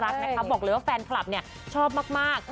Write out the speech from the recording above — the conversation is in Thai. บอกเลยว่าแฟนคลับชอบมาก